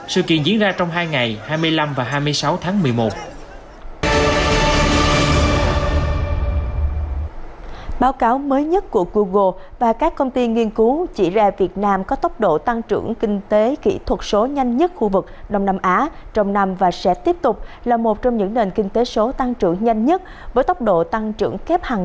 sự kiện diễn ra trong hai ngày hai mươi năm và hai mươi sáu tháng một mươi một